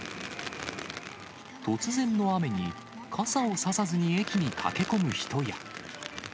突然の雨に、傘を差さずに駅に駆け込む人や。